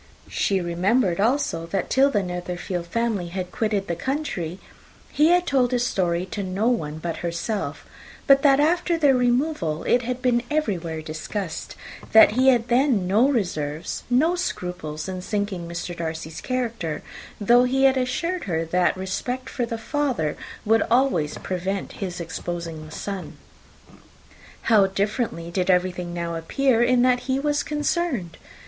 She remembered, also, that till the Netherfield family had quitted the country, he had told his story to no one but herself; but that after their removal, it had been everywhere discussed; that he had then no reserves, no scruples in sinking Mr. Darcy's character, though he had assured her that respect for the father would always prevent his exposing the son. How differently did everything now appear in which he was concerned!